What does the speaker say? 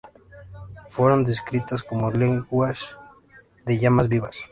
Fueron descritas como "lenguas de llamas vivas.